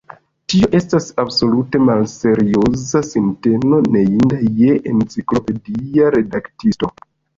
Tio estas absolute malserioza sinteno, neinda je enciklopedia redaktisto.